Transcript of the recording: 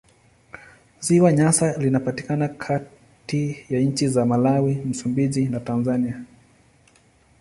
Ziwa Nyasa linapatikana kati ya nchi za Malawi, Msumbiji na Tanzania.